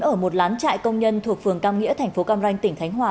ở một lán trại công nhân thuộc phường cam nghĩa thành phố cam ranh tỉnh khánh hòa